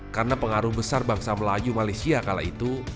karena pengaruh besar bangsa melayu malaysia kala itu